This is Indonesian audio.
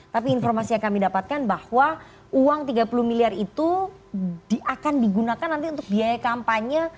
tapi informasi yang kami dapatkan bahwa uang tiga puluh miliar itu akan digunakan nanti untuk biaya kampanye